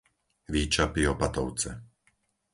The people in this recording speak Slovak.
Výčapy-Opatovce